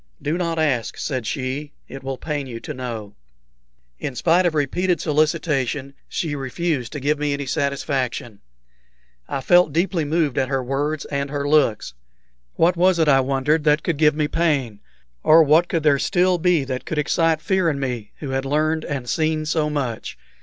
"Do not ask," said she. "It will pain you to know." In spite of repeated solicitation she refused to give me any satisfaction. I felt deeply moved at her words and her looks. What was it, I wondered, that could give me pain? or what could there still be that could excite fear in me, who had learned and seen so much?